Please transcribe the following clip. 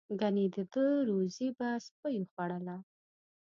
گني د ده روزي به سپیو خوړله.